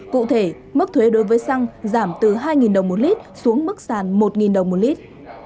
cụ thể mức thuế đối với xăng giảm từ hai đồng một lít xuống mức sàn một đồng một lít